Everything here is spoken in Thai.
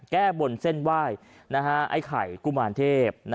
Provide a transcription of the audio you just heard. แก้บนเส้นไหว้ไอ้ไข่กุมารเทพ